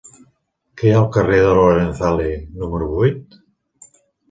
Què hi ha al carrer de Lorenzale número vuit?